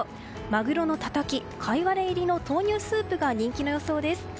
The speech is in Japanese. マグロのたたき、カイワレ入りの豆乳スープが人気の予想です。